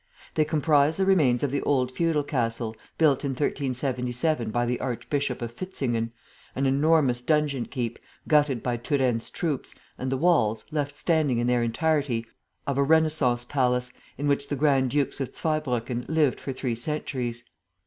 They comprise the remains of the old feudal castle, built in 1377 by the Archbishop of Fistingen, an enormous dungeon keep, gutted by Turenne's troops, and the walls, left standing in their entirety, of a large Renascence palace, in which the grand dukes of Zweibrucken lived for three centuries.